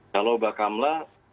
kalau baha kamlah